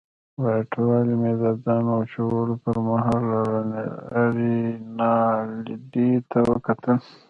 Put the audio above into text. په اټوال مې د ځان وچولو پرمهال رینالډي ته وکتل.